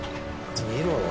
見ろよ